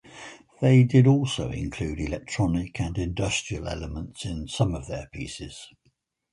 They did also include electronic and industrial elements in some of their pieces.